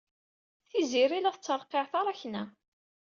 Tiziri la tettreqqiɛ taṛakna.